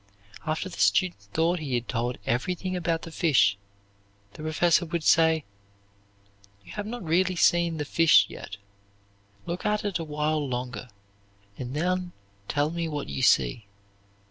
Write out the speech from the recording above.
After the student thought he had told everything about the fish, the professor would say, "You have not really seen the fish yet. Look at it a while longer, and then tell me what you see."